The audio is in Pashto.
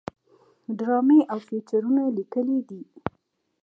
ډرامې او فيچرونه ليکلي دي